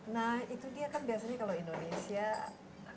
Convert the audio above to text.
nah itu dia kan biasanya kalau indonesia